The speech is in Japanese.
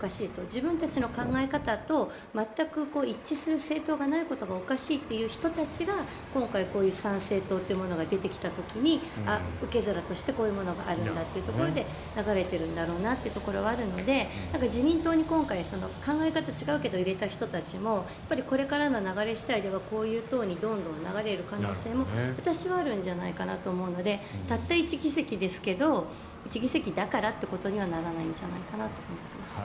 自分たちの考え方と全く一致する政党がないことがおかしいという人たちが今回、こういう参政党というものが出てきた時に受け皿としてこういうものがあるんだというところで流れているんだろうなというところはあるので自民党に今回、考え方が違うけど入れた人たちもこれからの流れ次第でもこういう党にどんどん流れる可能性も私はあるんじゃないかなと思うのでたった１議席ですけど１議席だからってことにはならないんじゃないかなと思っています。